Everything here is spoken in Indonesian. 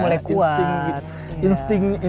mulai kuat insting